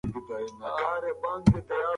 د پښتو ژبې زده کړه د ټولنیز انکشاف لامل کیږي.